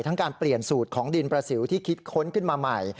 การเปลี่ยนสูตรของดินประสิวที่คิดค้นขึ้นมาใหม่